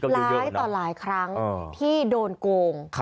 หลายต่อหลายครั้งที่โดนโกง